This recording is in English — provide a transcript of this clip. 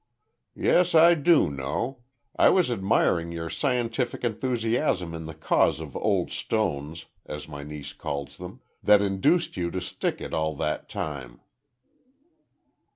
"Yes, I do know. I was admiring your scientific enthusiasm in the cause of `old stones,' as my niece calls them, that induced you to stick it all that time."